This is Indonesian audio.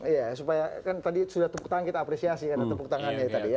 iya supaya kan tadi sudah tepuk tangan kita apresiasi karena tepuk tangannya tadi ya